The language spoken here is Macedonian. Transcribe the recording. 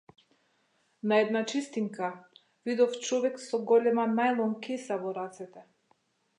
На една чистинка, видов човек со голема најлон кеса во рацете.